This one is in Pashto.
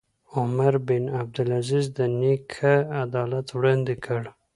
عمر بن عبدالعزیز د نیکه عدالت وړاندې کړ.